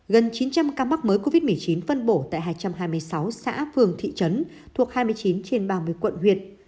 gần chín trăm linh ca mắc mới covid một mươi chín phân bổ tại hai trăm hai mươi sáu xã phường thị trấn thuộc hai mươi chín trên ba mươi quận huyện